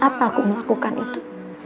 apa aku melakukan itu